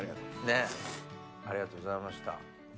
ねっありがとうございました。